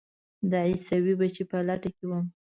د عیسوي بچي په لټه کې وم.